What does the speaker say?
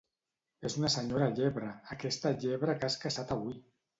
És una senyora llebre, aquesta llebre que has caçat avui!